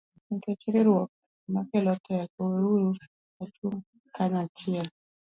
Nikech riwruok ema kelo teko, weuru wachung ' kanyachiel